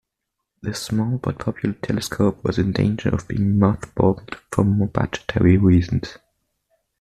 This small but popular telescope was in danger of being mothballed for budgetary reasons.